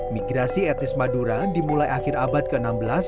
migrasi etnis madura dimulai akhir abad ke enam belas